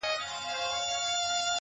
ویل چي آصل یم تر نورو موږکانو,